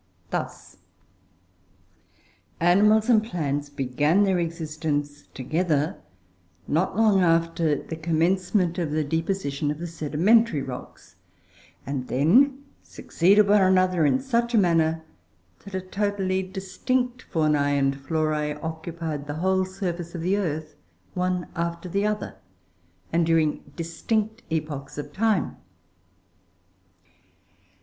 Thus: Animals and plants began their existence together, not long after the commencement of the deposition of the sedimentary rocks; and then succeeded one another, in such a manner, that totally distinct faunae and florae occupied the whole surface of the earth, one after the other, and during distinct epochs of time.